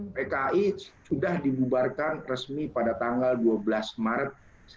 pki sudah dibubarkan resmi pada tanggal dua belas maret seribu sembilan ratus empat puluh